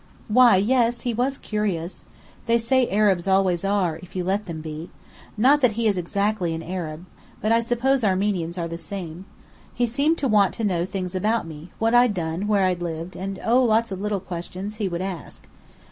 "Why, yes, he was curious. They say Arabs always are, if you let them be. Not that he is exactly an Arab. But I suppose Armenians are the same. He seemed to want to know things about me what I'd done, where I'd lived, and oh, lots of little questions he would ask.